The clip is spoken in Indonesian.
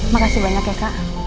makasih banyak ya kak